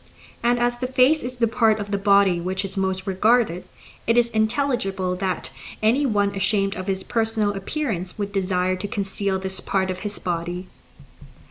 And as the face is the part of the body which is most regarded, it is intelligible that any one ashamed of his personal appearance would desire to conceal this part of his body.